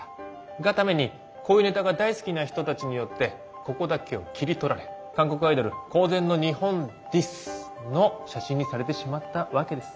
がためにこういうネタが大好きな人たちによってここだけを切り取られ「韓国アイドル公然の日本ｄｉｓ」の写真にされてしまったわけです。